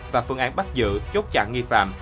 và phương án bắt giữ chốt chặn nghi phạm